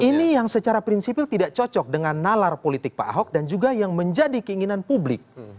ini yang secara prinsipil tidak cocok dengan nalar politik pak ahok dan juga yang menjadi keinginan publik